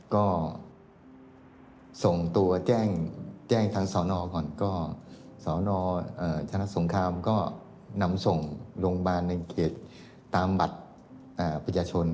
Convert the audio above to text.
ก็ส่งตัวแจ้งแจ้งทั้งสอนอก่อนก็สนชนะสงครามก็นำส่งโรงพยาบาลในเขตตามบัตรประชาชน